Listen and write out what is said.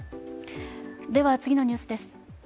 次のニュースです。